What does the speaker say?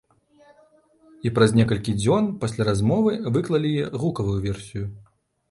І праз некалькі дзён пасля размовы выклалі яе гукавую версію.